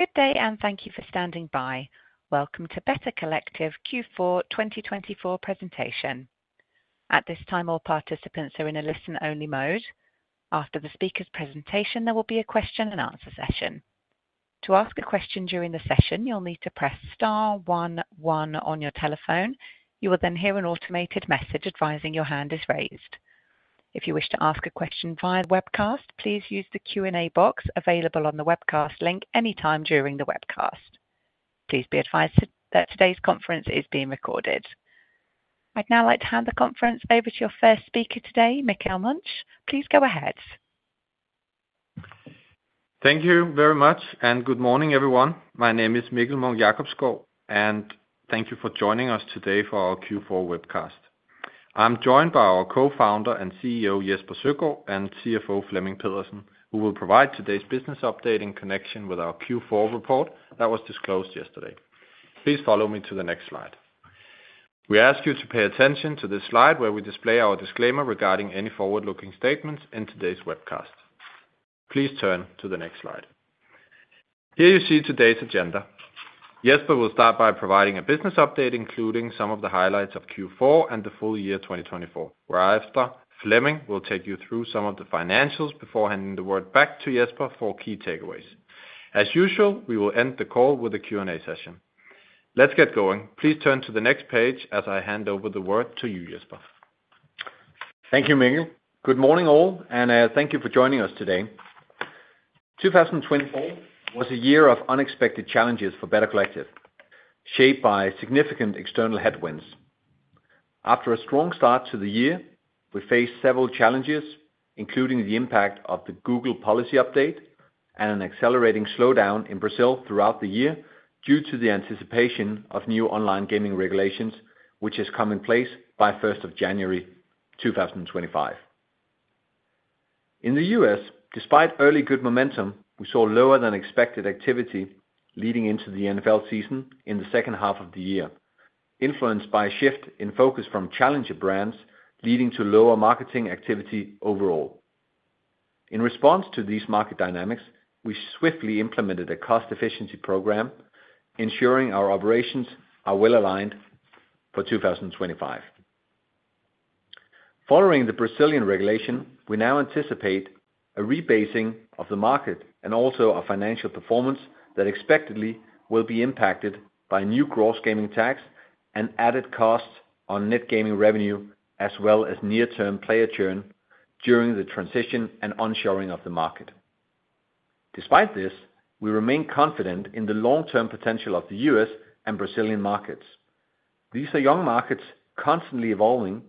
Good day, and thank you for standing by. Welcome to Better Collective Q4 2024 presentation. At this time, all participants are in a listen-only mode. After the speaker's presentation, there will be a question-and-answer session. To ask a question during the session, you'll need to press star one one on your telephone. You will then hear an automated message advising your hand is raised. If you wish to ask a question via webcast, please use the Q&A box available on the webcast link anytime during the webcast. Please be advised that today's conference is being recorded. I'd now like to hand the conference over to your first speaker today, Mikkel Munch. Please go ahead. Thank you very much, and good morning, everyone. My name is Mikkel Munch-Jacobsgaard, and thank you for joining us today for our Q4 webcast. I'm joined by our Co-founder and CEO, Jesper Søgaard, and CFO, Flemming Pedersen, who will provide today's business update in connection with our Q4 report that was disclosed yesterday. Please follow me to the next slide. We ask you to pay attention to this slide where we display our disclaimer regarding any forward-looking statements in today's webcast. Please turn to the next slide. Here you see today's agenda. Jesper will start by providing a business update, including some of the highlights of Q4 and the full year 2024. Whereafter, Flemming will take you through some of the financials before handing the word back to Jesper for key takeaways. As usual, we will end the call with a Q&A session. Let's get going. Please turn to the next page as I hand over the word to you, Jesper. Thank you, Mikkel. Good morning, all, and thank you for joining us today. 2024 was a year of unexpected challenges for Better Collective, shaped by significant external headwinds. After a strong start to the year, we faced several challenges, including the impact of the Google policy update and an accelerating slowdown in Brazil throughout the year due to the anticipation of new online gaming regulations, which has come in place by 1st of January 2025. In the U.S., despite early good momentum, we saw lower-than-expected activity leading into the NFL season in the second half of the year, influenced by a shift in focus from challenger brands, leading to lower marketing activity overall. In response to these market dynamics, we swiftly implemented a cost-efficiency program, ensuring our operations are well-aligned for 2025. Following the Brazilian regulation, we now anticipate a rebasing of the market and also our financial performance that expectedly will be impacted by new gross gaming tax and added costs on net gaming revenue, as well as near-term player churn during the transition and onshoring of the market. Despite this, we remain confident in the long-term potential of the U.S. and Brazilian markets. These are young markets constantly evolving,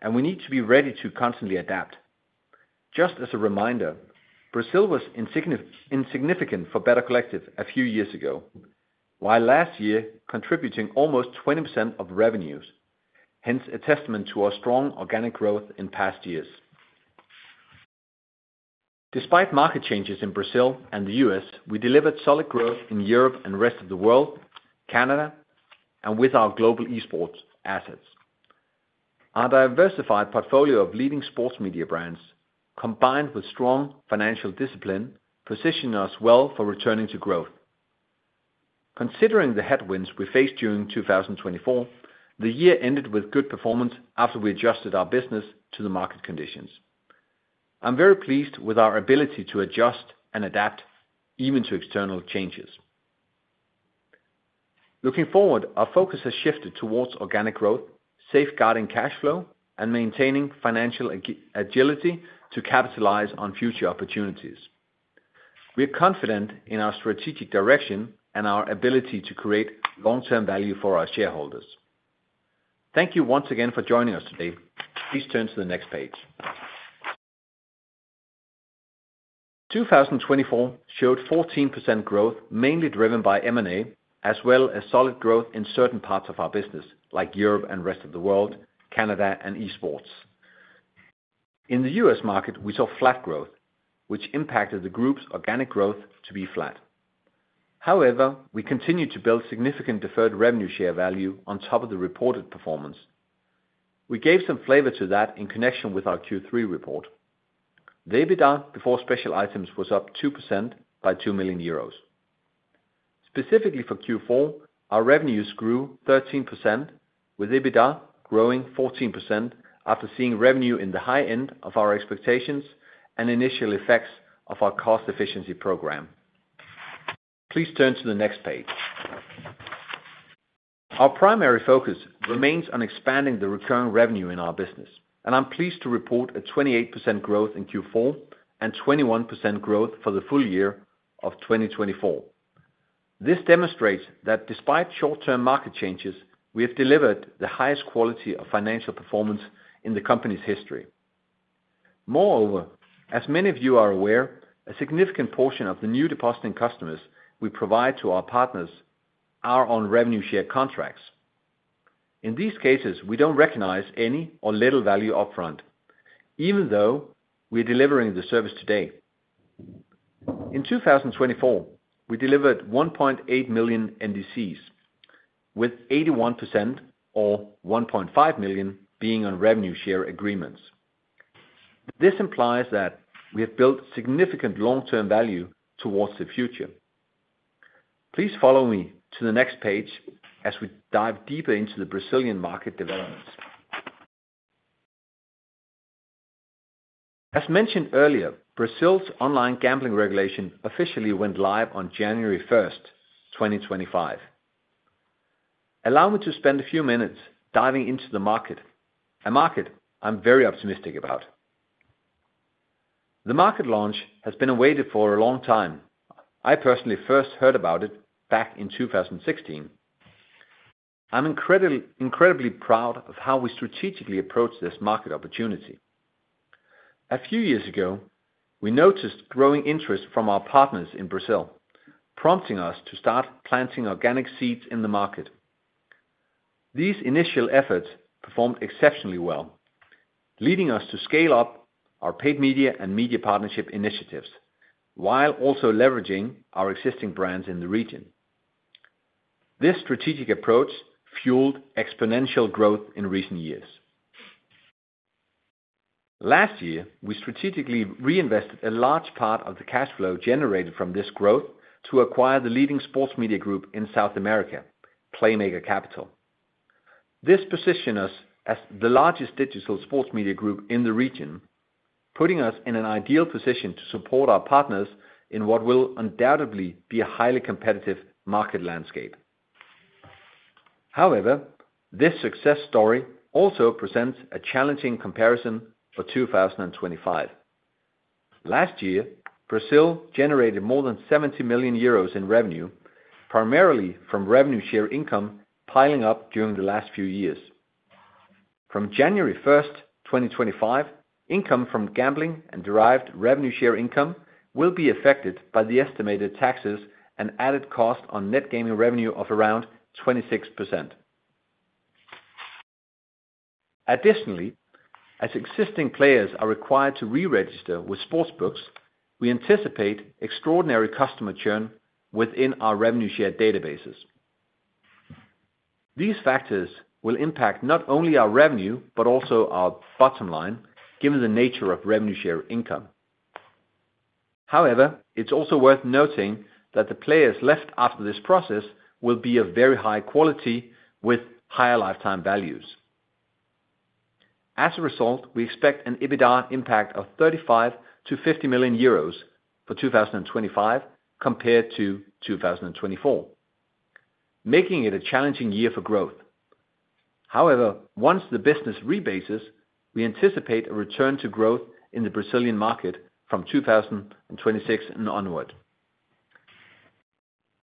and we need to be ready to constantly adapt. Just as a reminder, Brazil was insignificant for Better Collective a few years ago, while last year contributing almost 20% of revenues, hence a testament to our strong organic growth in past years. Despite market changes in Brazil and the U.S., we delivered solid growth in Europe and the rest of the world, Canada, and with our global eSports assets. Our diversified portfolio of leading sports media brands, combined with strong financial discipline, positioned us well for returning to growth. Considering the headwinds we faced during 2024, the year ended with good performance after we adjusted our business to the market conditions. I'm very pleased with our ability to adjust and adapt even to external changes. Looking forward, our focus has shifted towards organic growth, safeguarding cash flow, and maintaining financial agility to capitalize on future opportunities. We are confident in our strategic direction and our ability to create long-term value for our shareholders. Thank you once again for joining us today. Please turn to the next page. 2024 showed 14% growth, mainly driven by M&A, as well as solid growth in certain parts of our business, like Europe and the rest of the world, Canada, and eSports. In the U.S. market, we saw flat growth, which impacted the group's organic growth to be flat. However, we continued to build significant deferred revenue share value on top of the reported performance. We gave some flavor to that in connection with our Q3 report. EBITDA before special items was up 2% by 2 million euros. Specifically for Q4, our revenues grew 13%, with EBITDA growing 14% after seeing revenue in the high end of our expectations and initial effects of our cost-efficiency program. Please turn to the next page. Our primary focus remains on expanding the recurring revenue in our business, and I'm pleased to report a 28% growth in Q4 and 21% growth for the full year of 2024. This demonstrates that despite short-term market changes, we have delivered the highest quality of financial performance in the company's history. Moreover, as many of you are aware, a significant portion of the new depositing customers we provide to our partners are on revenue share contracts. In these cases, we don't recognize any or little value upfront, even though we are delivering the service today. In 2024, we delivered 1.8 million NDCs, with 81% or 1.5 million being on revenue share agreements. This implies that we have built significant long-term value towards the future. Please follow me to the next page as we dive deeper into the Brazilian market developments. As mentioned earlier, Brazil's online gambling regulation officially went live on January 1st, 2025. Allow me to spend a few minutes diving into the market, a market I'm very optimistic about. The market launch has been awaited for a long time. I personally first heard about it back in 2016. I'm incredibly proud of how we strategically approached this market opportunity. A few years ago, we noticed growing interest from our partners in Brazil, prompting us to start planting organic seeds in the market. These initial efforts performed exceptionally well, leading us to scale up our paid media and media partnership initiatives while also leveraging our existing brands in the region. This strategic approach fueled exponential growth in recent years. Last year, we strategically reinvested a large part of the cash flow generated from this growth to acquire the leading sports media group in South America, Playmaker Capital. This positioned us as the largest digital sports media group in the region, putting us in an ideal position to support our partners in what will undoubtedly be a highly competitive market landscape. However, this success story also presents a challenging comparison for 2025. Last year, Brazil generated more than 70 million euros in revenue, primarily from revenue share income piling up during the last few years. From January 1st, 2025, income from gambling and derived revenue share income will be affected by the estimated taxes and added cost on net gaming revenue of around 26%. Additionally, as existing players are required to re-register with sportsbooks, we anticipate extraordinary customer churn within our revenue share databases. These factors will impact not only our revenue but also our bottom line, given the nature of revenue share income. However, it's also worth noting that the players left after this process will be of very high quality with higher lifetime values. As a result, we expect an EBITDA impact of 35 million-50 million euros for 2025 compared to 2024, making it a challenging year for growth. However, once the business rebases, we anticipate a return to growth in the Brazilian market from 2026 and onward.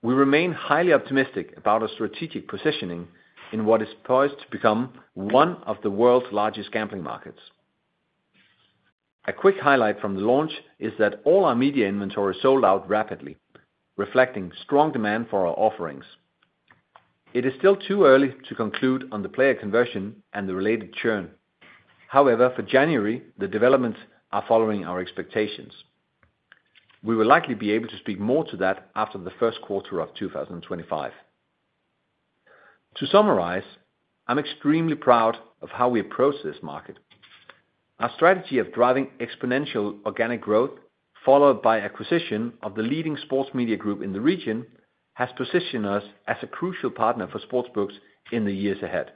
We remain highly optimistic about our strategic positioning in what is poised to become one of the world's largest gambling markets. A quick highlight from the launch is that all our media inventory sold out rapidly, reflecting strong demand for our offerings. It is still too early to conclude on the player conversion and the related churn. However, for January, the developments are following our expectations. We will likely be able to speak more to that after the first quarter of 2025. To summarize, I'm extremely proud of how we approach this market. Our strategy of driving exponential organic growth, followed by acquisition of the leading sports media group in the region, has positioned us as a crucial partner for sportsbooks in the years ahead.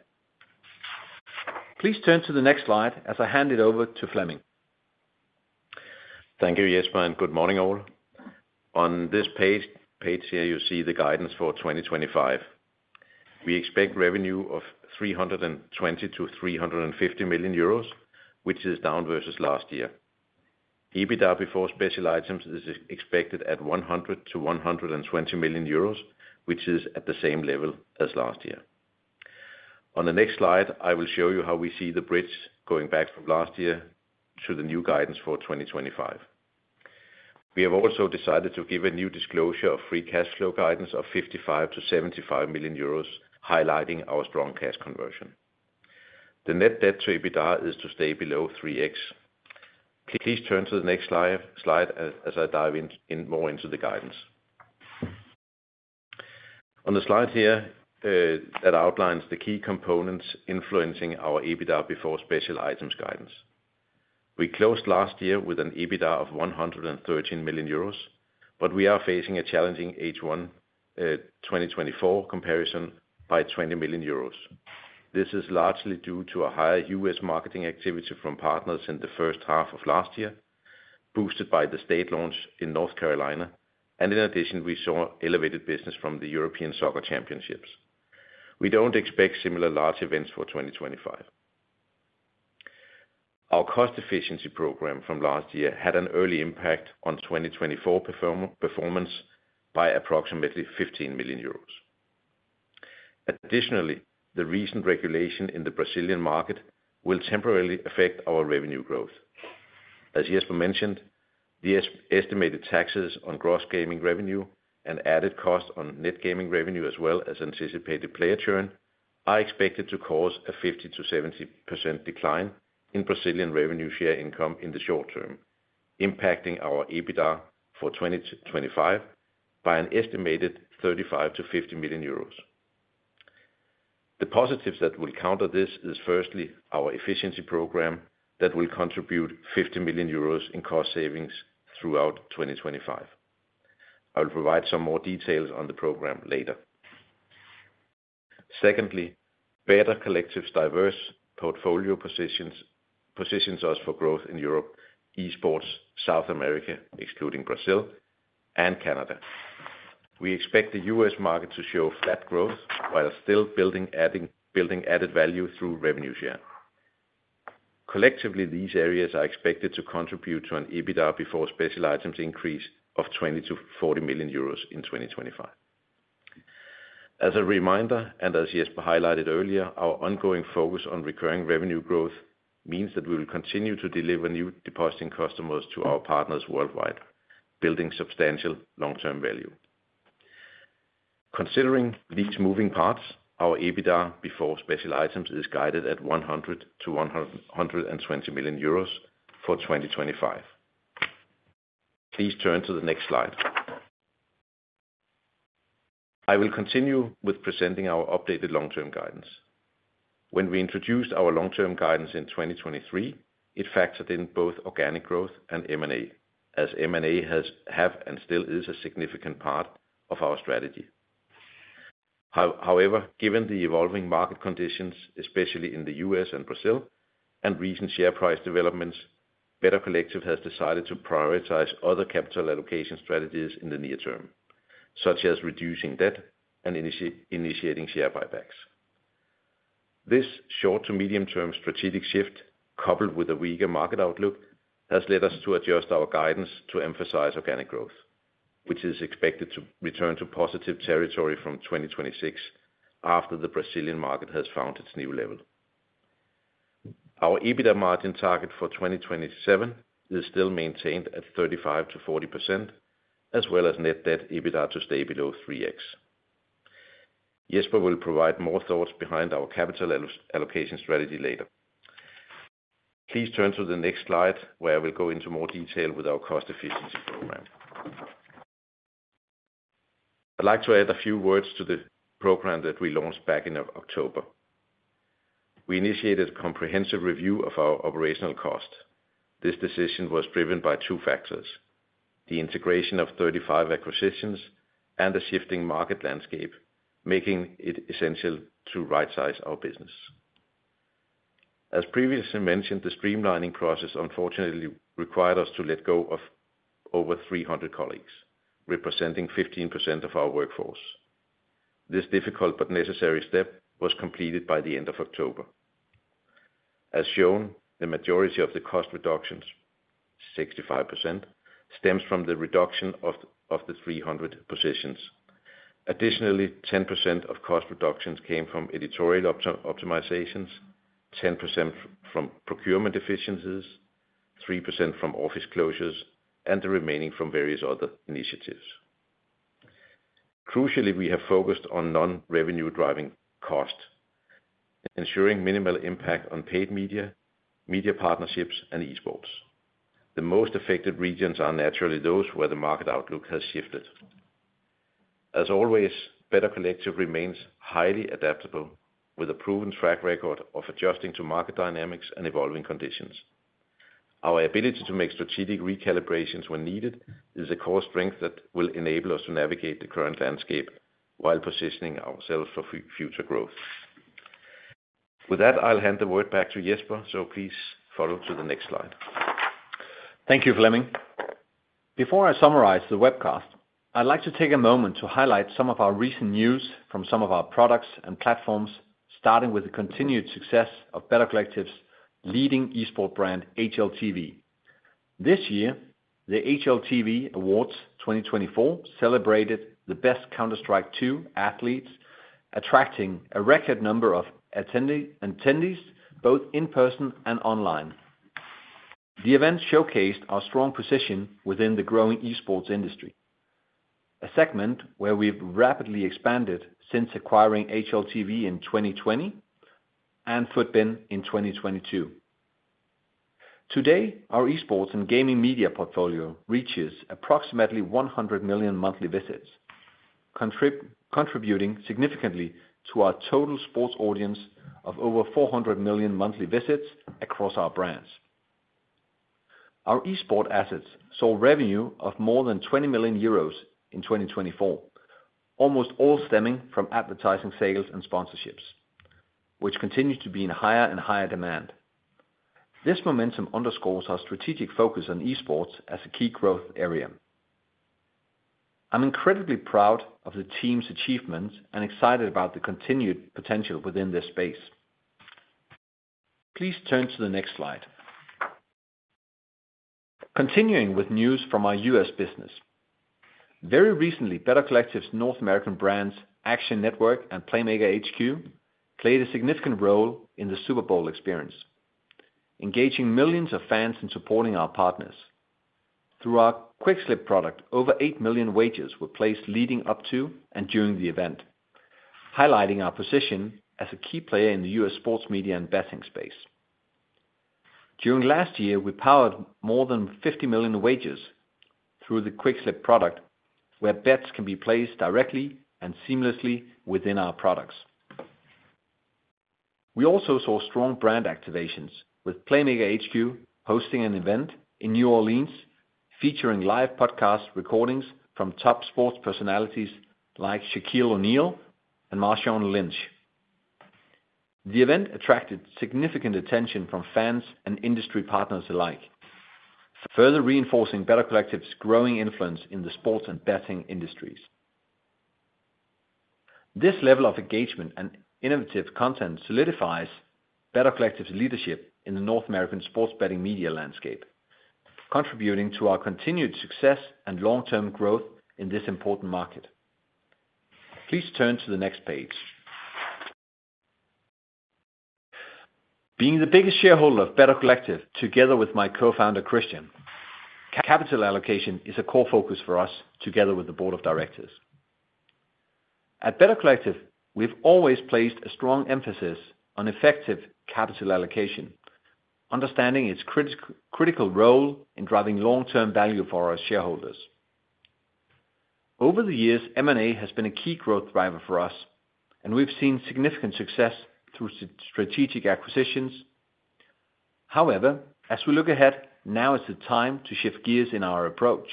Please turn to the next slide as I hand it over to Flemming. Thank you, Jesper, and good morning, all. On this page here, you see the guidance for 2025. We expect revenue of 320 million-350 million euros, which is down versus last year. EBITDA before special items is expected at 100 million-120 million euros, which is at the same level as last year. On the next slide, I will show you how we see the bridge going back from last year to the new guidance for 2025. We have also decided to give a new disclosure of free cash flow guidance of 55 million-75 million euros, highlighting our strong cash conversion. The net debt-to-EBITDA is to stay below 3x. Please turn to the next slide as I dive more into the guidance. On the slide here that outlines the key components influencing our EBITDA before special items guidance. We closed last year with an EBITDA of 113 million euros, but we are facing a challenging H1 2024 comparison by 20 million euros. This is largely due to a higher U.S. marketing activity from partners in the first half of last year, boosted by the state launch in North Carolina, and in addition, we saw elevated business from the European Soccer Championships. We don't expect similar large events for 2025. Our cost-efficiency program from last year had an early impact on 2024 performance by approximately 15 million euros. Additionally, the recent regulation in the Brazilian market will temporarily affect our revenue growth. As Jesper mentioned, the estimated taxes on gross gaming revenue and added cost on net gaming revenue, as well as anticipated player churn, are expected to cause a 50%-70% decline in Brazilian revenue share income in the short term, impacting our EBITDA for 2025 by an estimated 35 million-50 million euros. The positives that will counter this is, firstly, our efficiency program that will contribute 50 million euros in cost savings throughout 2025. I will provide some more details on the program later. Secondly, Better Collective's diverse portfolio positions us for growth in Europe, eSports, South America, excluding Brazil, and Canada. We expect the U.S. market to show flat growth while still building added value through revenue share. Collectively, these areas are expected to contribute to an EBITDA before special items increase of 20 million-40 million euros in 2025. As a reminder, and as Jesper highlighted earlier, our ongoing focus on recurring revenue growth means that we will continue to deliver new depositing customers to our partners worldwide, building substantial long-term value. Considering these moving parts, our EBITDA before special items is guided at 100 million-120 million euros for 2025. Please turn to the next slide. I will continue with presenting our updated long-term guidance. When we introduced our long-term guidance in 2023, it factored in both organic growth and M&A, as M&A has and still is a significant part of our strategy. However, given the evolving market conditions, especially in the U.S. and Brazil, and recent share price developments, Better Collective has decided to prioritize other capital allocation strategies in the near term, such as reducing debt and initiating share buybacks. This short to medium-term strategic shift, coupled with a weaker market outlook, has led us to adjust our guidance to emphasize organic growth, which is expected to return to positive territory from 2026 after the Brazilian market has found its new level. Our EBITDA margin target for 2027 is still maintained at 35%-40%, as well as net debt to EBITDA to stay below 3x. Jesper will provide more thoughts behind our capital allocation strategy later. Please turn to the next slide, where I will go into more detail with our cost-efficiency program. I'd like to add a few words to the program that we launched back in October. We initiated a comprehensive review of our operational cost. This decision was driven by two factors: the integration of 35 acquisitions and the shifting market landscape, making it essential to right-size our business. As previously mentioned, the streamlining process unfortunately required us to let go of over 300 colleagues, representing 15% of our workforce. This difficult but necessary step was completed by the end of October. As shown, the majority of the cost reductions, 65%, stems from the reduction of the 300 positions. Additionally, 10% of cost reductions came from editorial optimizations, 10% from procurement efficiencies, 3% from office closures, and the remaining from various other initiatives. Crucially, we have focused on non-revenue driving costs, ensuring minimal impact on paid media, media partnerships, and eSports. The most affected regions are naturally those where the market outlook has shifted. As always, Better Collective remains highly adaptable, with a proven track record of adjusting to market dynamics and evolving conditions. Our ability to make strategic recalibrations when needed is a core strength that will enable us to navigate the current landscape while positioning ourselves for future growth. With that, I'll hand the word back to Jesper, so please follow to the next slide. Thank you, Flemming. Before I summarize the webcast, I'd like to take a moment to highlight some of our recent news from some of our products and platforms, starting with the continued success of Better Collective's leading eSports brand, HLTV. This year, the HLTV Awards 2024 celebrated the best Counter-Strike 2 athletes, attracting a record number of attendees, both in person and online. The event showcased our strong position within the growing eSports industry, a segment where we've rapidly expanded since acquiring HLTV in 2020 and FUTBIN in 2022. Today, our eSports and gaming media portfolio reaches approximately 100 million monthly visits, contributing significantly to our total sports audience of over 400 million monthly visits across our brands. Our eSports assets saw revenue of more than 20 million euros in 2024, almost all stemming from advertising sales and sponsorships, which continue to be in higher and higher demand. This momentum underscores our strategic focus on eSports as a key growth area. I'm incredibly proud of the team's achievements and excited about the continued potential within this space. Please turn to the next slide. Continuing with news from our U.S. business, very recently, Better Collective's North American brands, Action Network and Playmaker HQ, played a significant role in the Super Bowl experience, engaging millions of fans and supporting our partners. Through our QuickSlip product, over 8 million wagers were placed leading up to and during the event, highlighting our position as a key player in the U.S. sports media and betting space. During last year, we powered more than 50 million wagers through the QuickSlip product, where bets can be placed directly and seamlessly within our products. We also saw strong brand activations, with Playmaker HQ hosting an event in New Orleans featuring live podcast recordings from top sports personalities like Shaquille O'Neal and Marshawn Lynch. The event attracted significant attention from fans and industry partners alike, further reinforcing Better Collective's growing influence in the sports and betting industries. This level of engagement and innovative content solidifies Better Collective's leadership in the North American sports betting media landscape, contributing to our continued success and long-term growth in this important market. Please turn to the next page. Being the biggest shareholder of Better Collective, together with my Co-founder Christian, capital allocation is a core focus for us, together with the board of directors. At Better Collective, we've always placed a strong emphasis on effective capital allocation, understanding its critical role in driving long-term value for our shareholders. Over the years, M&A has been a key growth driver for us, and we've seen significant success through strategic acquisitions. However, as we look ahead, now is the time to shift gears in our approach.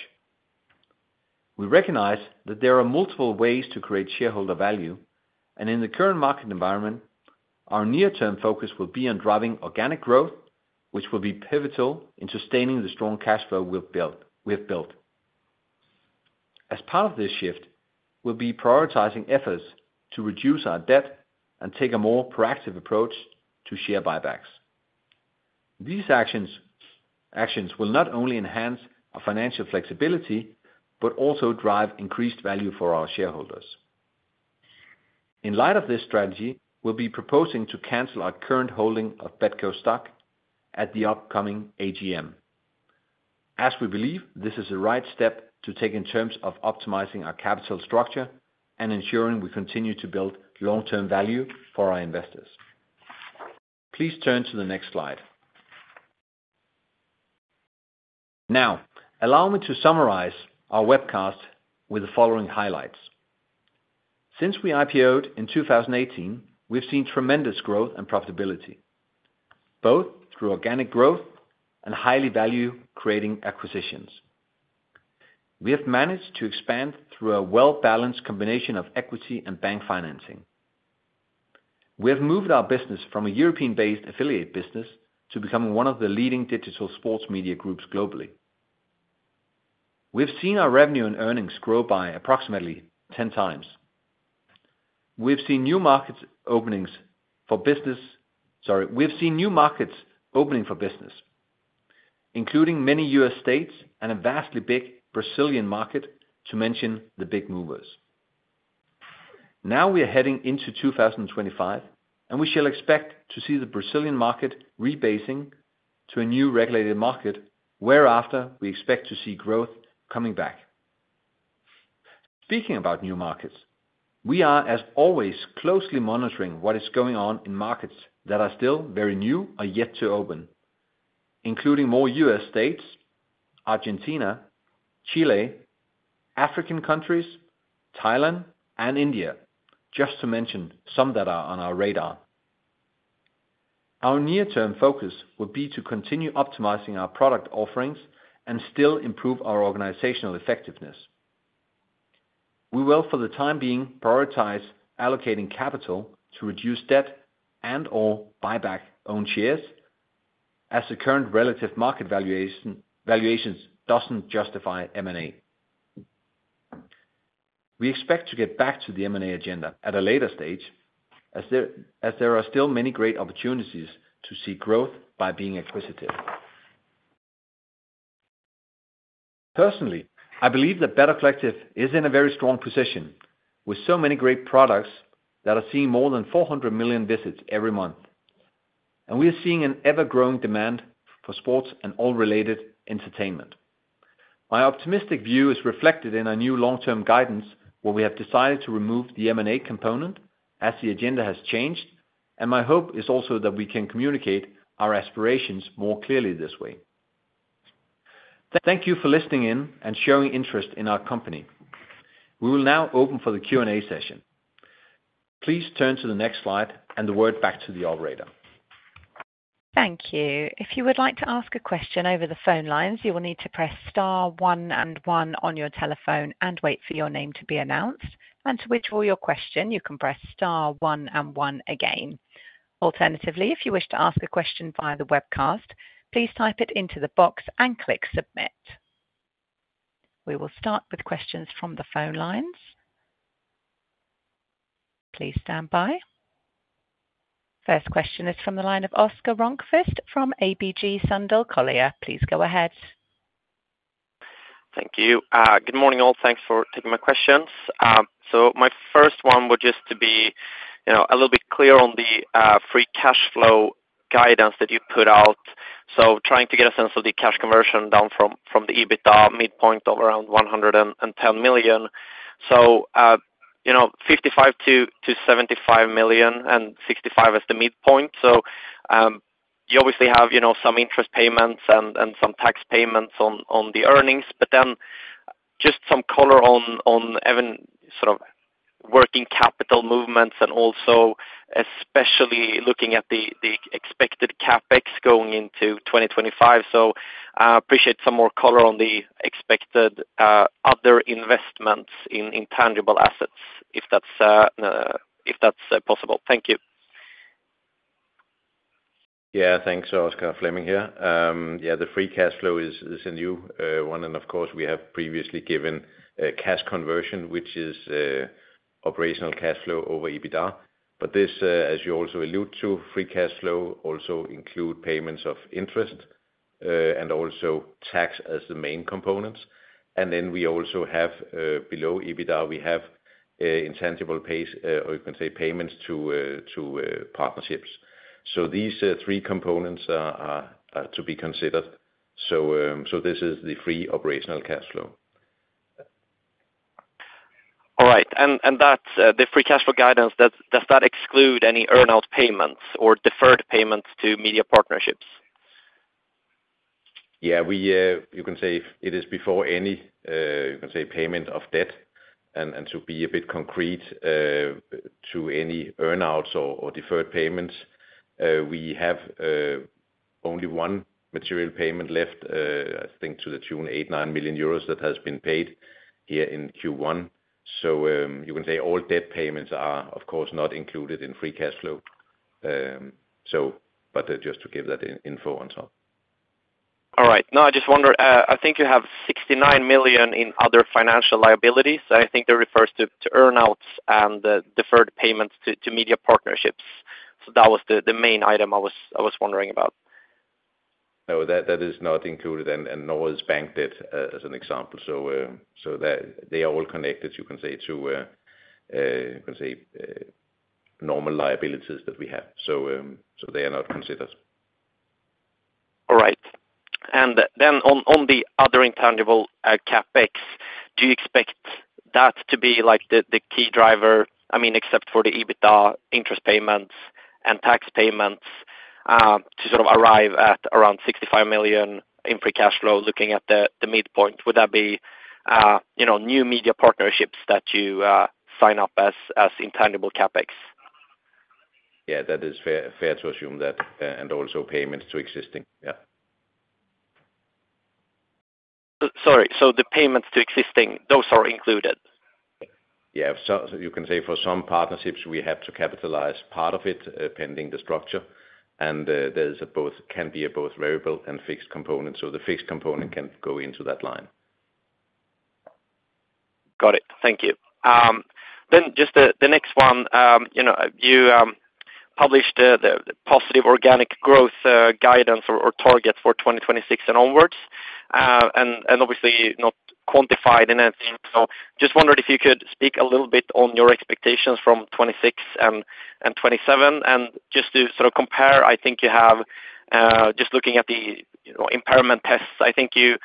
We recognize that there are multiple ways to create shareholder value, and in the current market environment, our near-term focus will be on driving organic growth, which will be pivotal in sustaining the strong cash flow we've built. As part of this shift, we'll be prioritizing efforts to reduce our debt and take a more proactive approach to share buybacks. These actions will not only enhance our financial flexibility but also drive increased value for our shareholders. In light of this strategy, we'll be proposing to cancel our current holding of BETCO stock at the upcoming AGM, as we believe this is the right step to take in terms of optimizing our capital structure and ensuring we continue to build long-term value for our investors. Please turn to the next slide. Now, allow me to summarize our webcast with the following highlights. Since we IPO'd in 2018, we've seen tremendous growth and profitability, both through organic growth and highly value-creating acquisitions. We have managed to expand through a well-balanced combination of equity and bank financing. We have moved our business from a European-based affiliate business to becoming one of the leading digital sports media groups globally. We've seen our revenue and earnings grow by approximately 10x. We've seen new markets opening for business, including many U.S. states and a vastly big Brazilian market, to mention the big movers. Now we are heading into 2025, and we shall expect to see the Brazilian market rebasing to a new regulated market, whereafter we expect to see growth coming back. Speaking about new markets, we are, as always, closely monitoring what is going on in markets that are still very new or yet to open, including more U.S. states, Argentina, Chile, African countries, Thailand, and India, just to mention some that are on our radar. Our near-term focus will be to continue optimizing our product offerings and still improve our organizational effectiveness. We will, for the time being, prioritize allocating capital to reduce debt and/or buyback own shares, as the current relative market valuations doesn't justify M&A. We expect to get back to the M&A agenda at a later stage, as there are still many great opportunities to see growth by being acquisitive. Personally, I believe that Better Collective is in a very strong position, with so many great products that are seeing more than 400 million visits every month, and we are seeing an ever-growing demand for sports and all-related entertainment. My optimistic view is reflected in our new long-term guidance, where we have decided to remove the M&A component as the agenda has changed, and my hope is also that we can communicate our aspirations more clearly this way. Thank you for listening in and showing interest in our company. We will now open for the Q&A session. Please turn to the next slide and hand it back to the operator. Thank you. If you would like to ask a question over the phone lines, you will need to press star one and one on your telephone and wait for your name to be announced, and to withdraw your question, you can press star one and one again. Alternatively, if you wish to ask a question via the webcast, please type it into the box and click submit. We will start with questions from the phone lines. Please stand by. First question is from the line of Oscar Rönnkvist from ABG Sundal Collier. Please go ahead. Thank you. Good morning, all. Thanks for taking my questions. So my first one would just be a little bit clear on the free cash flow guidance that you put out. So trying to get a sense of the cash conversion down from the EBITDA midpoint of around 110 million. So 55 million-75 million and 65 million as the midpoint. So you obviously have some interest payments and some tax payments on the earnings. But then just some color on even sort of working capital movements and also especially looking at the expected CapEx going into 2025. So I appreciate some more color on the expected other investments in intangible assets, if that's possible. Thank you. Yeah, thanks, Oscar. Flemming here. Yeah, the free cash flow is a new one. And of course, we have previously given cash conversion, which is operational cash flow over EBITDA. But this, as you also alluded to, free cash flow also includes payments of interest and also tax as the main components. And then we also have below EBITDA, we have intangible pays, or you can say payments to partnerships. So these three components are to be considered. So this is the free operational cash flow. All right. And the free cash flow guidance, does that exclude any earn-out payments or deferred payments to media partnerships? Yeah, you can say it is before any payment of debt, and to be a bit concrete to any earn-outs or deferred payments, we have only one material payment left, I think, to the tune of 8 million-9 million euros that has been paid here in Q1, so you can say all debt payments are, of course, not included in free cash flow, but just to give that info on top. All right. No, I just wondered, I think you have 69 million in other financial liabilities. I think that refers to earn-outs and deferred payments to media partnerships. So that was the main item I was wondering about. No, that is not included, and nor is bank debt as an example. So they are all connected, you can say, to normal liabilities that we have. So they are not considered. All right. And then on the other intangible CapEx, do you expect that to be the key driver, I mean, except for the EBITDA interest payments and tax payments, to sort of arrive at around 65 million in free cash flow looking at the midpoint? Would that be new media partnerships that you sign up as intangible CapEx? Yeah, that is fair to assume that, and also payments to existing, yeah. Sorry, so the payments to existing, those are included? Yeah. So you can say for some partnerships, we have to capitalize part of it pending the structure. And there can be both variable and fixed components. So the fixed component can go into that line. Got it. Thank you. Then just the next one, you published the positive organic growth guidance or targets for 2026 and onwards, and obviously not quantified in anything. So just wondered if you could speak a little bit on your expectations from 2026 and 2027, and just to sort of compare, I think you have, just looking at the impairment tests, I think you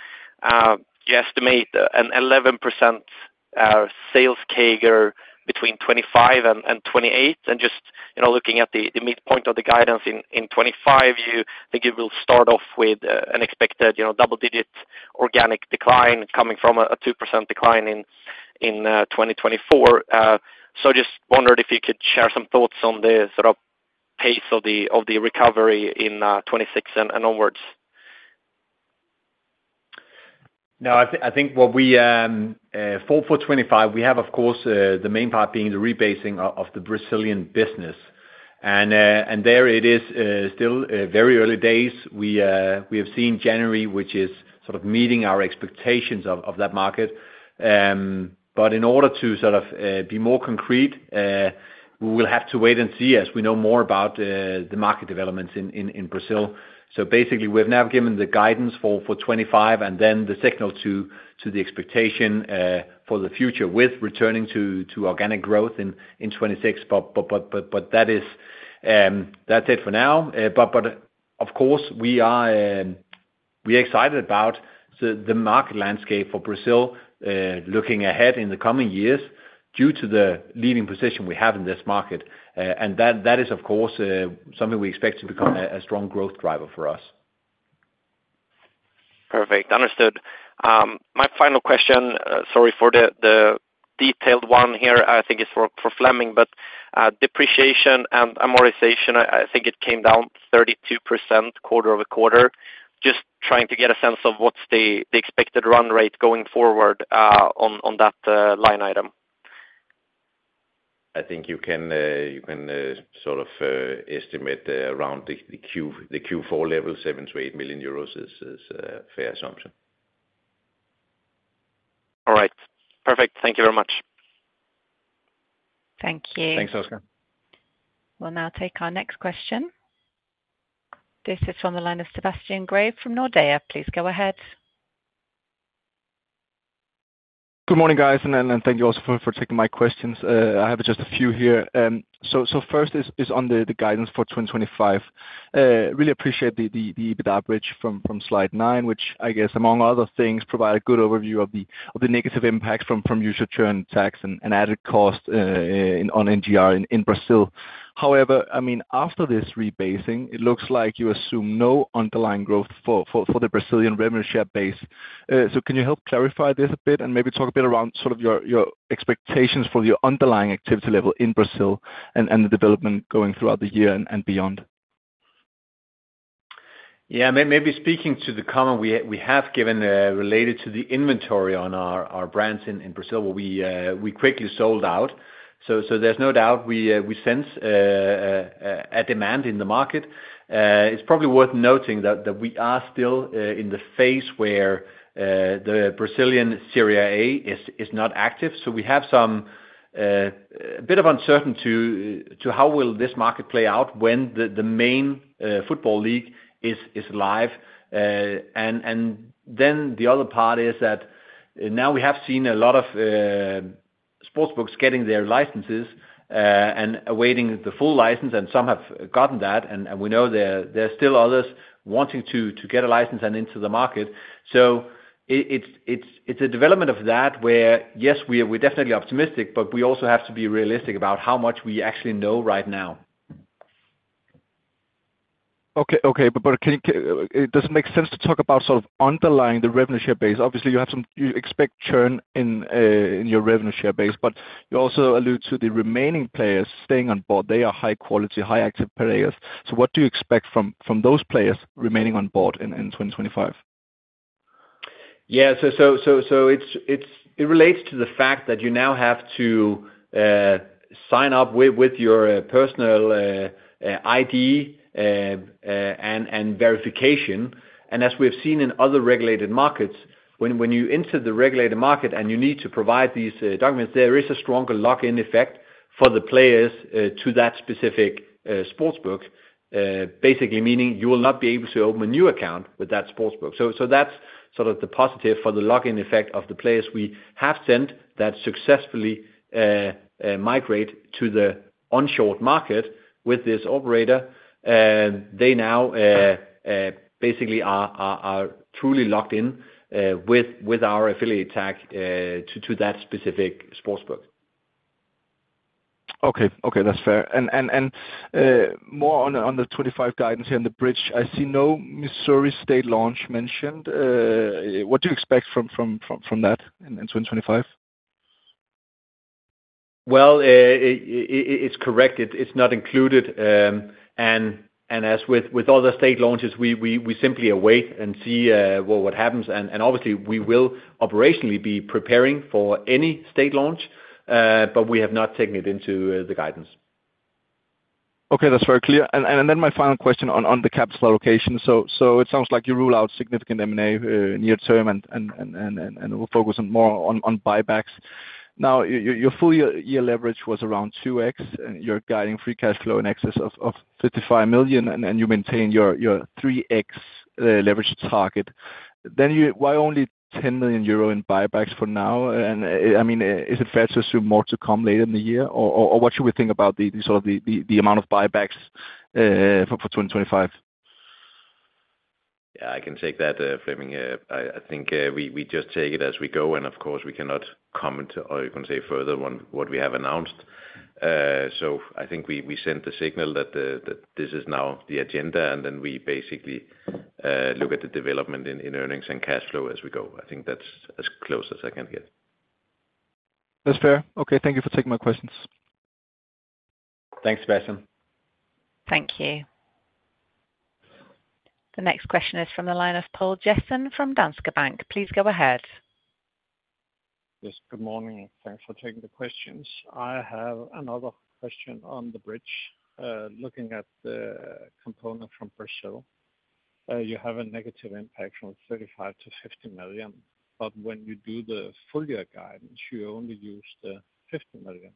estimate an 11% sales CAGR between 2025 and 2028, and just looking at the midpoint of the guidance in 2025, you think it will start off with an expected double-digit organic decline coming from a 2% decline in 2024. So just wondered if you could share some thoughts on the sort of pace of the recovery in 2026 and onwards. No, I think what we for 2025, we have, of course, the main part being the rebasing of the Brazilian business, and there it is still very early days. We have seen January, which is sort of meeting our expectations of that market, but in order to sort of be more concrete, we will have to wait and see as we know more about the market developments in Brazil, so basically, we have now given the guidance for 2025 and then the signal to the expectation for the future with returning to organic growth in 2026, but that's it for now, but of course, we are excited about the market landscape for Brazil looking ahead in the coming years due to the leading position we have in this market, and that is, of course, something we expect to become a strong growth driver for us. Perfect. Understood. My final question, sorry for the detailed one here. I think it's for Flemming, but depreciation and amortization, I think it came down 32% quarter-over-quarter. Just trying to get a sense of what's the expected run rate going forward on that line item. I think you can sort of estimate around the Q4 level, 7 million-8 million euros is a fair assumption. All right. Perfect. Thank you very much. Thank you. Thanks, Oscar. We'll now take our next question. This is from the line of Sebastian Grave from Nordea. Please go ahead. Good morning, guys, and thank you also for taking my questions. I have just a few here. So first is on the guidance for 2025. Really appreciate the EBITDA bridge from slide nine, which, I guess, among other things, provided a good overview of the negative impact from user churn tax and added cost on NGR in Brazil. However, I mean, after this rebasing, it looks like you assume no underlying growth for the Brazilian revenue share base. So can you help clarify this a bit and maybe talk a bit around sort of your expectations for your underlying activity level in Brazil and the development going throughout the year and beyond? Yeah, maybe speaking to the comment we have given related to the inventory on our brands in Brazil, we quickly sold out, so there's no doubt we sense a demand in the market. It's probably worth noting that we are still in the phase where the Brazilian Serie A is not active, so we have a bit of uncertainty to how will this market play out when the main football league is live, and then the other part is that now we have seen a lot of sportsbooks getting their licenses and awaiting the full license, and some have gotten that, and we know there are still others wanting to get a license and into the market, so it's a development of that where, yes, we're definitely optimistic, but we also have to be realistic about how much we actually know right now. Okay, okay. But it doesn't make sense to talk about sort of underlying the revenue share base. Obviously, you expect churn in your revenue share base, but you also allude to the remaining players staying on board. They are high-quality, high-active players. So what do you expect from those players remaining on board in 2025? Yeah, so it relates to the fact that you now have to sign up with your personal ID and verification. As we've seen in other regulated markets, when you enter the regulated market and you need to provide these documents, there is a stronger lock-in effect for the players to that specific sports book, basically meaning you will not be able to open a new account with that sports book. That's sort of the positive for the lock-in effect of the players we have sent that successfully migrate to the onshore market with this operator. They now basically are truly locked in with our affiliate tag to that specific sports book. Okay, okay. That's fair. And more on the 2025 guidance here in the bridge, I see no Missouri state launch mentioned. What do you expect from that in 2025? It's correct. It's not included. As with other state launches, we simply await and see what happens. Obviously, we will operationally be preparing for any state launch, but we have not taken it into the guidance. Okay, that's very clear. And then my final question on the capital allocation. So it sounds like you rule out significant M&A near term, and we'll focus more on buybacks. Now, your full-year leverage was around 2x, and you're guiding free cash flow in excess of 55 million, and you maintain your 3x leverage target. Then why only 10 million euro in buybacks for now? And I mean, is it fair to assume more to come later in the year? Or what should we think about sort of the amount of buybacks for 2025? Yeah, I can take that, Flemming. I think we just take it as we go. And of course, we cannot comment or, you can say, further on what we have announced. So I think we sent the signal that this is now the agenda, and then we basically look at the development in earnings and cash flow as we go. I think that's as close as I can get. That's fair. Okay, thank you for taking my questions. Thanks, Sebastian. Thank you. The next question is from the line of Poul Jessen from Danske Bank. Please go ahead. Yes, good morning. Thanks for taking the questions. I have another question on the bridge. Looking at the component from Brazil, you have a negative impact from 35 million-50 million. But when you do the full-year guidance, you only use the 50 million.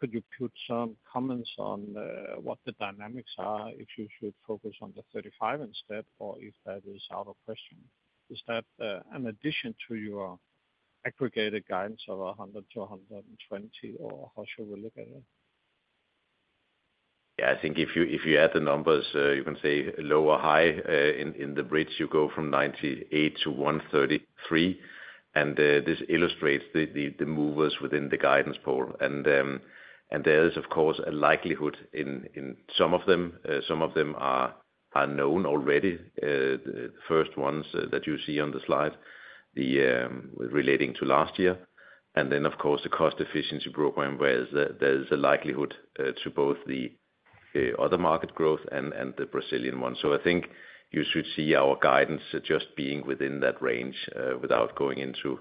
Could you put some comments on what the dynamics are if you should focus on the 35 instead, or if that is out of the question? Is that an addition to your aggregated guidance of 100 million-120 million, or how should we look at it? Yeah, I think if you add the numbers, you can say low or high in the bridge, you go from 98 to 133, and this illustrates the movers within the guidance pool, and there is, of course, a likelihood in some of them. Some of them are known already, the first ones that you see on the slide, relating to last year, and then, of course, the cost efficiency program, where there is a likelihood to both the other market growth and the Brazilian one, so I think you should see our guidance just being within that range without going into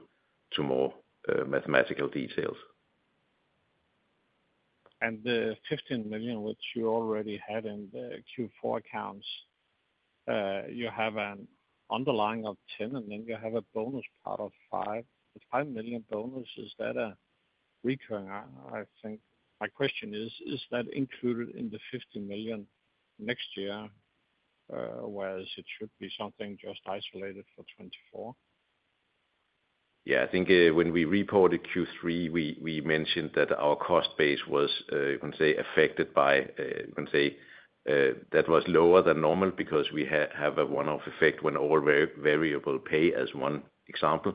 more mathematical details. The 15 million, which you already had in the Q4 accounts, you have an underlying of 10 million, and then you have a bonus part of 5 million. The 5 million bonus, is that a recurring? I think my question is, is that included in the 50 million next year, whereas it should be something just isolated for 2024? Yeah, I think when we reported Q3, we mentioned that our cost base was, you can say, affected by, you can say, that was lower than normal because we have a one-off effect when all variable pay, as one example,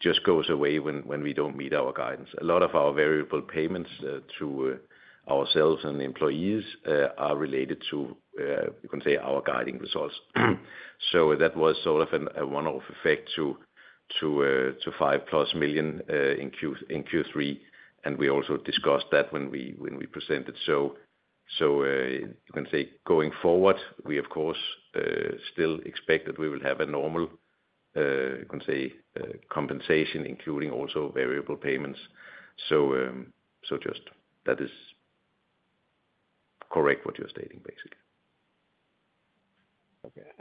just goes away when we don't meet our guidance. A lot of our variable payments to ourselves and employees are related to, you can say, our guiding results. So that was sort of a one-off effect to 5+ million in Q3. And we also discussed that when we presented. So you can say, going forward, we, of course, still expect that we will have a normal, you can say, compensation, including also variable payments. So just that is correct, what you're stating, basically.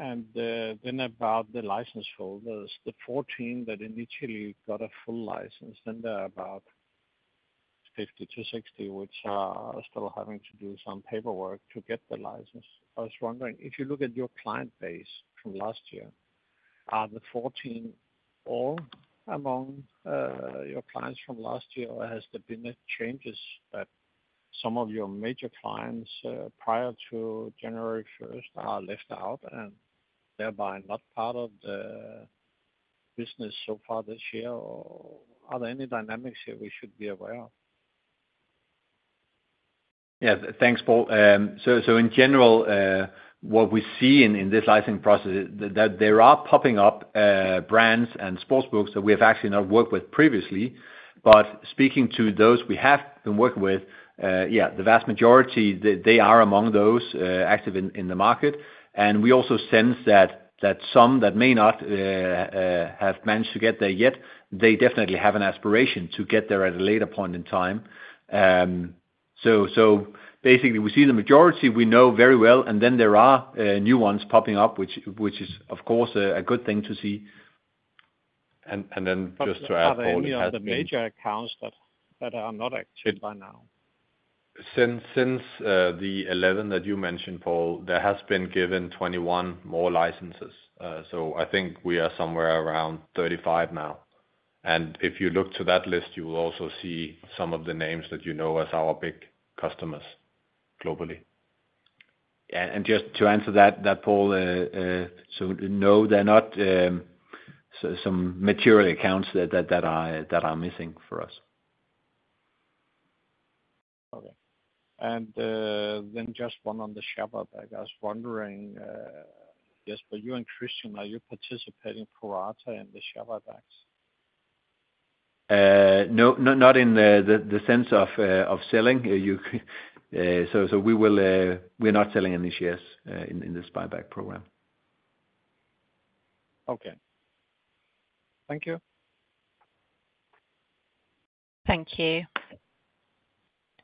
Okay. And then about the license holders, the 14 that initially got a full license, then there are about 50-60, which are still having to do some paperwork to get the license. I was wondering, if you look at your client base from last year, are the 14 all among your clients from last year, or has there been changes that some of your major clients prior to January 1st are left out and thereby not part of the business so far this year? Or are there any dynamics here we should be aware of? Yeah, thanks, Poul. So in general, what we see in this licensing process is that there are popping up brands and sportsbooks that we have actually not worked with previously. But speaking to those we have been working with, yeah, the vast majority, they are among those active in the market. And we also sense that some that may not have managed to get there yet, they definitely have an aspiration to get there at a later point in time. So basically, we see the majority we know very well, and then there are new ones popping up, which is, of course, a good thing to see. And then just to add, Poul, it has been. What about the major accounts that are not active right now? Since the 11 that you mentioned, Poul, there has been given 21 more licenses, so I think we are somewhere around 35 now, and if you look to that list, you will also see some of the names that you know as our big customers globally. Just to answer that, Poul, so no, they're not some material accounts that are missing for us. Okay. And then just one on the share buyback, I was wondering, yes, but you and Christian, are you participating in pro rata in the share buybacks? No, not in the sense of selling, so we're not selling any shares in this buyback program. Okay. Thank you. Thank you.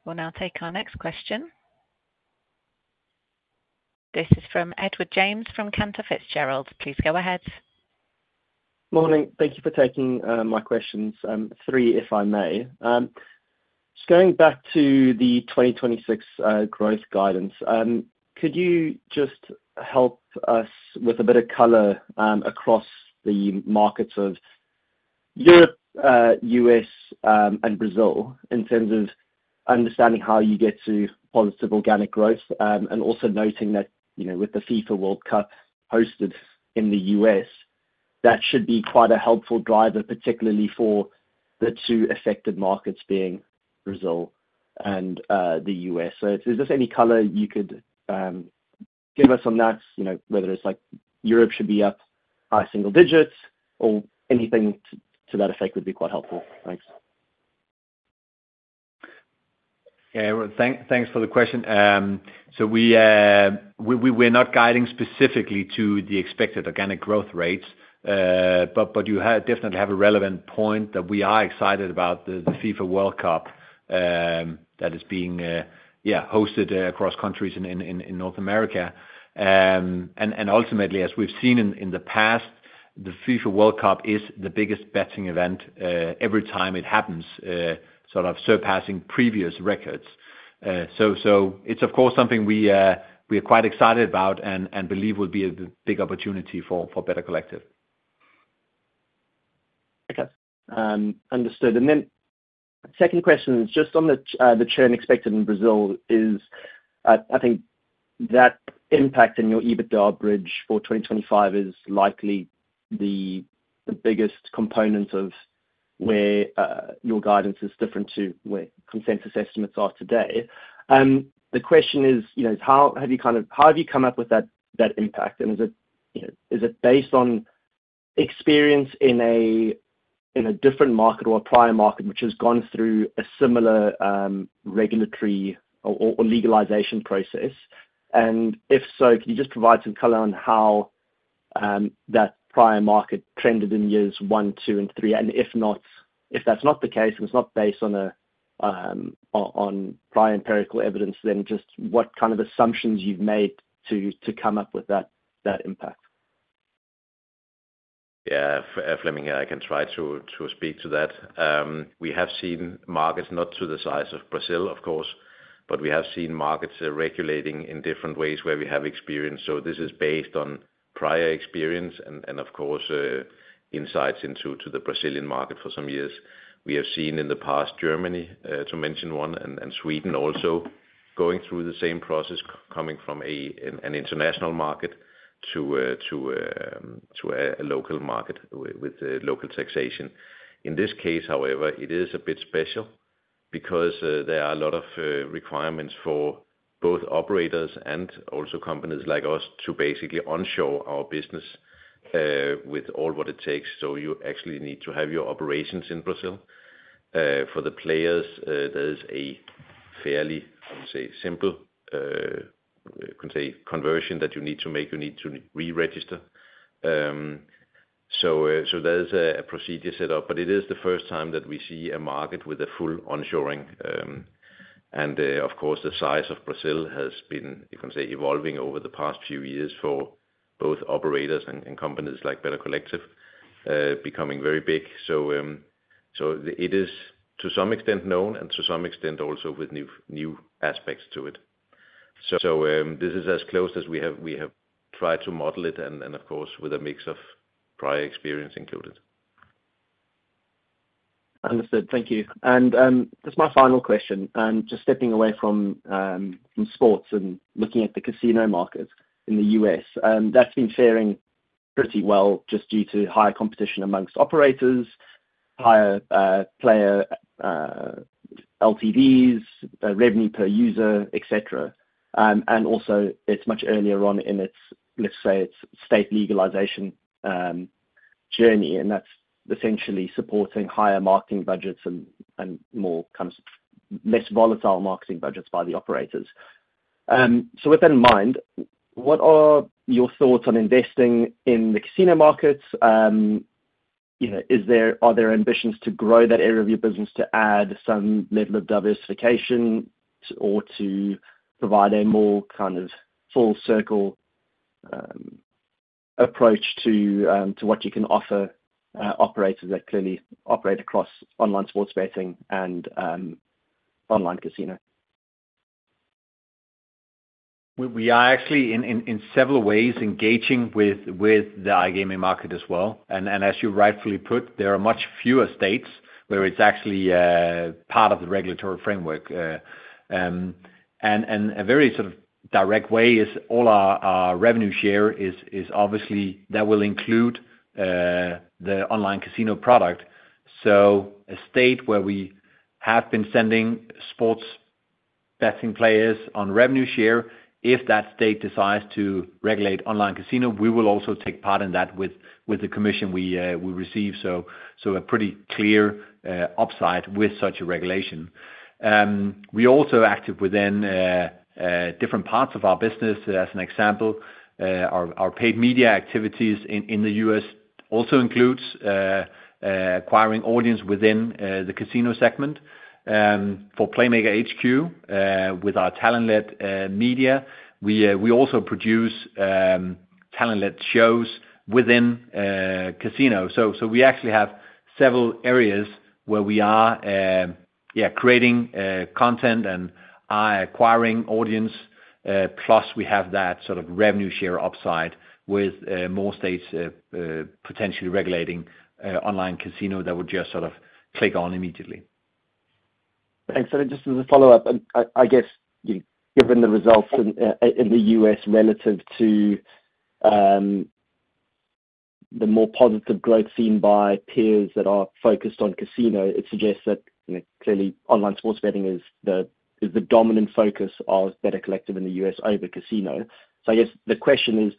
We'll now take our next question. This is from Edward James from Cantor Fitzgerald. Please go ahead. Morning. Thank you for taking my questions. Three, if I may. Just going back to the 2026 growth guidance, could you just help us with a bit of color across the markets of Europe, U.S., and Brazil in terms of understanding how you get to positive organic growth? And also noting that with the FIFA World Cup hosted in the U.S., that should be quite a helpful driver, particularly for the two affected markets being Brazil and the U.S. So is there any color you could give us on that, whether it's like Europe should be up by single digits or anything to that effect would be quite helpful? Thanks. Yeah, thanks for the question. So we're not guiding specifically to the expected organic growth rates, but you definitely have a relevant point that we are excited about the FIFA World Cup that is being hosted across countries in North America, and ultimately, as we've seen in the past, the FIFA World Cup is the biggest betting event every time it happens, sort of surpassing previous records, so it's, of course, something we are quite excited about and believe will be a big opportunity for Better Collective. Okay. Understood. And then second question, just on the churn expected in Brazil, I think that impact in your EBITDA bridge for 2025 is likely the biggest component of where your guidance is different to where consensus estimates are today. The question is, how have you kind of come up with that impact? And is it based on experience in a different market or a prior market which has gone through a similar regulatory or legalization process? And if so, could you just provide some color on how that prior market trended in years one, two, and three? And if that's not the case, and it's not based on prior empirical evidence, then just what kind of assumptions you've made to come up with that impact? Yeah, Flemming, I can try to speak to that. We have seen markets not to the size of Brazil, of course, but we have seen markets regulating in different ways where we have experience. So this is based on prior experience and, of course, insights into the Brazilian market for some years. We have seen in the past Germany, to mention one, and Sweden also going through the same process, coming from an international market to a local market with local taxation. In this case, however, it is a bit special because there are a lot of requirements for both operators and also companies like us to basically onshore our business with all what it takes. So you actually need to have your operations in Brazil. For the players, there is a fairly, I would say, simple, you can say, conversion that you need to make. You need to re-register. So there is a procedure set up, but it is the first time that we see a market with a full onshoring. And of course, the size of Brazil has been, you can say, evolving over the past few years for both operators and companies like Better Collective becoming very big. So it is, to some extent, known and to some extent also with new aspects to it. So this is as close as we have tried to model it, and of course, with a mix of prior experience included. Understood. Thank you, and just my final question, just stepping away from sports and looking at the casino market in the U.S., that's been faring pretty well just due to higher competition amongst operators, higher player LTVs, revenue per user, etc., and also, it's much earlier on in, let's say, its state legalization journey, and that's essentially supporting higher marketing budgets and more kind of less volatile marketing budgets by the operators, so with that in mind, what are your thoughts on investing in the casino markets? Are there ambitions to grow that area of your business to add some level of diversification or to provide a more kind of full-circle approach to what you can offer operators that clearly operate across online sports betting and online casino? We are actually, in several ways, engaging with the iGaming market as well. And as you rightfully put, there are much fewer states where it's actually part of the regulatory framework. And a very sort of direct way is all our revenue share is obviously that will include the online casino product. So a state where we have been sending sports betting players on revenue share, if that state decides to regulate online casino, we will also take part in that with the commission we receive. So a pretty clear upside with such a regulation. We are also active within different parts of our business. As an example, our paid media activities in the U.S. also include acquiring audience within the casino segment. For Playmaker HQ, with our talent-led media, we also produce talent-led shows within casinos. We actually have several areas where we are, yeah, creating content and acquiring audience. Plus, we have that sort of revenue share upside with more states potentially regulating online casino that would just sort of click on immediately. Thanks, and just as a follow-up, I guess, given the results in the U.S. relative to the more positive growth seen by peers that are focused on casino, it suggests that clearly online sports betting is the dominant focus of Better Collective in the U.S. over casino, so I guess the question is,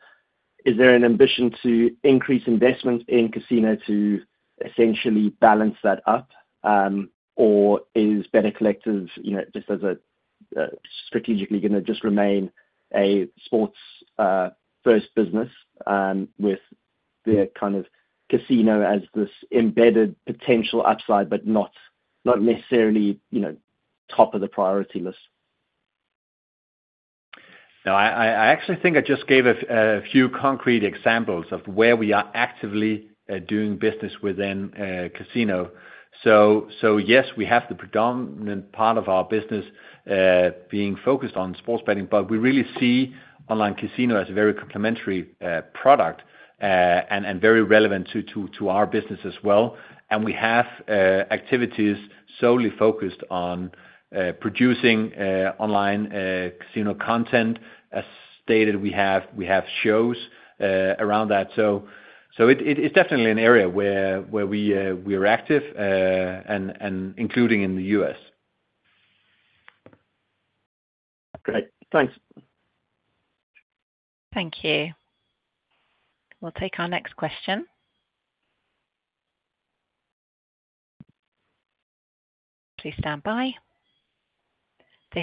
is there an ambition to increase investment in casino to essentially balance that up, or is Better Collective just strategically going to just remain a sports-first business with the kind of casino as this embedded potential upside, but not necessarily top of the priority list? No, I actually think I just gave a few concrete examples of where we are actively doing business within casino. So yes, we have the predominant part of our business being focused on sports betting, but we really see online casino as a very complementary product and very relevant to our business as well, and we have activities solely focused on producing online casino content. As stated, we have shows around that, so it's definitely an area where we are active, including in the U.S. Great. Thanks. Thank you. We'll take our next question. Please stand by.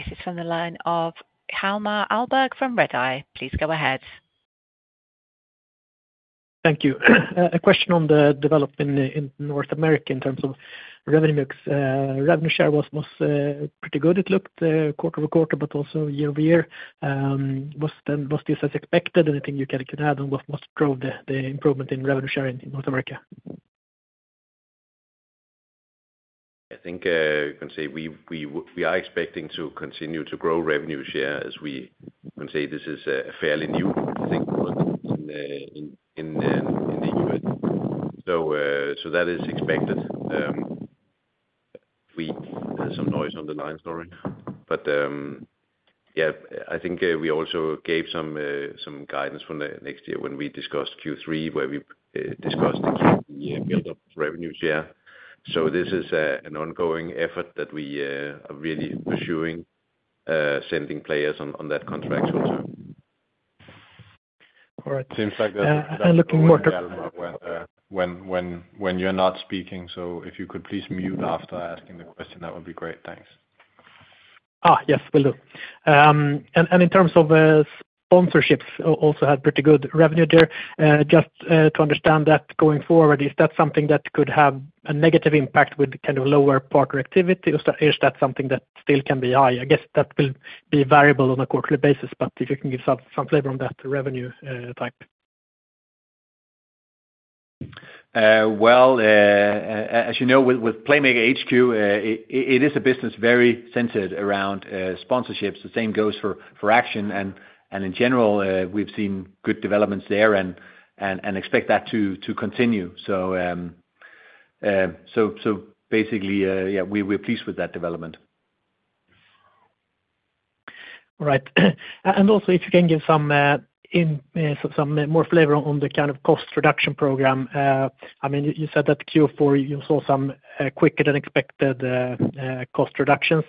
This is from the line of Hjalmar Ahlberg from Redeye. Please go ahead. Thank you. A question on the development in North America in terms of revenue share was pretty good. It looked quarter over quarter, but also year over year. Was this as expected? Anything you can add on what drove the improvement in revenue share in North America? I think, you can say we are expecting to continue to grow revenue share as we can say this is a fairly new thing in the U.S. So that is expected. We had some noise on the line, sorry. But yeah, I think we also gave some guidance for next year when we discussed Q3, where we discussed the buildup of revenue share. So this is an ongoing effort that we are really pursuing, sending players on that contract. All right. Seems like that's a good example when you're not speaking. So if you could please mute after asking the question, that would be great. Thanks. Yes, will do. And in terms of sponsorships, also had pretty good revenue there. Just to understand that going forward, is that something that could have a negative impact with kind of lower partner activity, or is that something that still can be high? I guess that will be variable on a quarterly basis, but if you can give some flavor on that revenue type. As you know, with Playmaker HQ, it is a business very centered around sponsorships. The same goes for Action. In general, we've seen good developments there and expect that to continue. Basically, yeah, we're pleased with that development. All right, and also, if you can give some more flavor on the kind of cost reduction program? I mean, you said that Q4 you saw some quicker than expected cost reductions,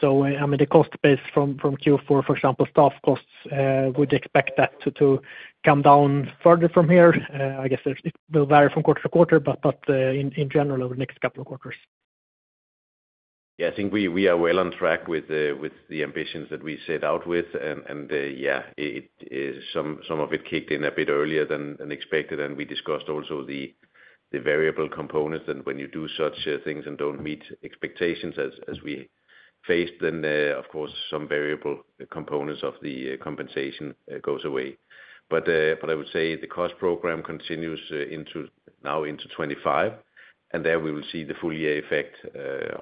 so I mean, the cost base from Q4, for example, staff costs, would expect that to come down further from here. I guess it will vary from quarter-by-quarter, but in general, over the next couple of quarters. Yeah, I think we are well on track with the ambitions that we set out with. And yeah, some of it kicked in a bit earlier than expected. And we discussed also the variable components. And when you do such things and don't meet expectations as we faced, then, of course, some variable components of the compensation go away. But I would say the cost program continues now into 2025, and there we will see the full year effect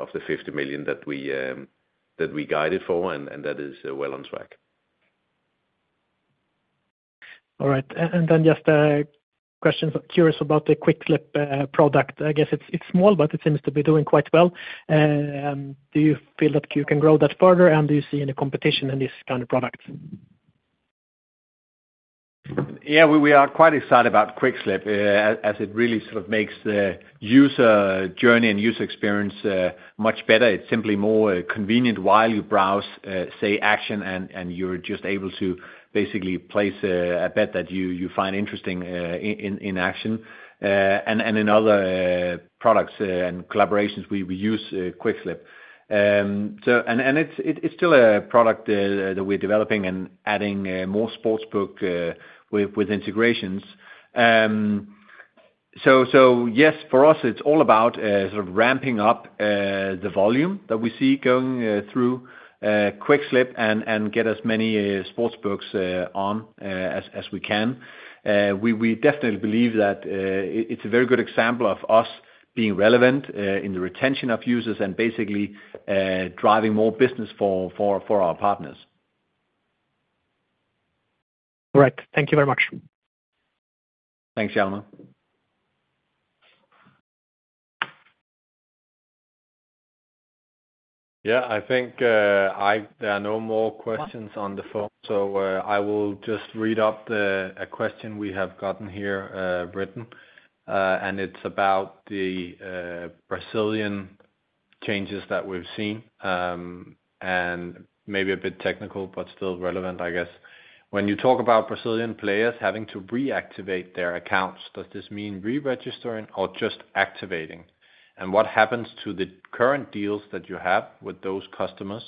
of the 50 million that we guided for, and that is well on track. All right. And then just a question, curious about the QuickSlip product. I guess it's small, but it seems to be doing quite well. Do you feel that you can grow that further, and do you see any competition in this kind of product? Yeah, we are quite excited about QuickSlip as it really sort of makes the user journey and user experience much better. It's simply more convenient while you browse, say, Action, and you're just able to basically place a bet that you find interesting in Action, and in other products and collaborations, we use QuickSlip, and it's still a product that we're developing and adding more sportsbooks with integrations, so yes, for us, it's all about sort of ramping up the volume that we see going through QuickSlip and get as many sportsbooks on as we can. We definitely believe that it's a very good example of us being relevant in the retention of users and basically driving more business for our partners. All right. Thank you very much. Thanks, Hjalmar. Yeah, I think there are no more questions on the phone, so I will just read up a question we have gotten here, written, and it's about the Brazilian changes that we've seen. Maybe a bit technical, but still relevant, I guess. When you talk about Brazilian players having to reactivate their accounts, does this mean re-registering or just activating? And what happens to the current deals that you have with those customers?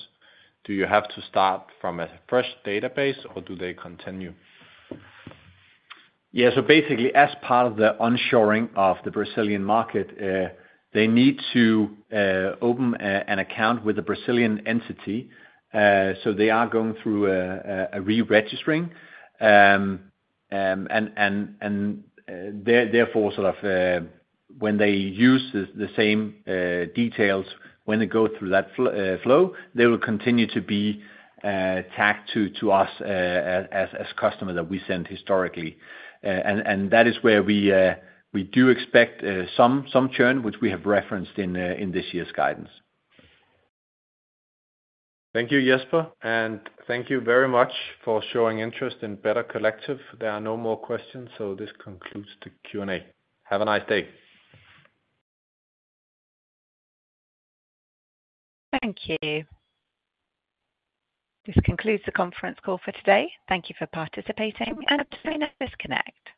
Do you have to start from a fresh database, or do they continue? Yeah, so basically, as part of the onshoring of the Brazilian market, they need to open an account with a Brazilian entity. So they are going through a re-registering. And therefore, sort of when they use the same details, when they go through that flow, they will continue to be tagged to us as customers that we sent historically. And that is where we do expect some churn, which we have referenced in this year's guidance. Thank you, Jesper, and thank you very much for showing interest in Better Collective. There are no more questions, so this concludes the Q&A. Have a nice day. Thank you. This concludes the conference call for today. Thank you for participating and for joining. Disconnect.